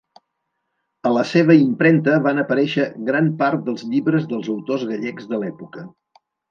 A la seva impremta van aparèixer gran part dels llibres dels autors gallecs de l'època.